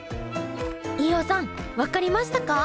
飯尾さん分かりましたか？